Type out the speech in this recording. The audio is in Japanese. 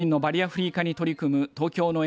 映像作品のバリアフリー化に取り組む東京の